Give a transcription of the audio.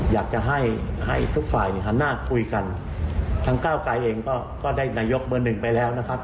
อยากจะให้ให้ทุกฝ่ายหันหน้าคุยกันทางก้าวไกรเองก็ได้นายกเบอร์หนึ่งไปแล้วนะครับ